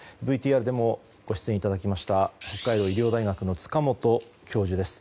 ＶＴＲでもご出演いただきました北海道医療大学の塚本教授です。